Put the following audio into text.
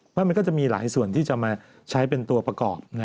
เพราะมันก็จะมีหลายส่วนที่จะมาใช้เป็นตัวประกอบ